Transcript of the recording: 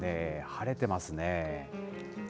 晴れてますね。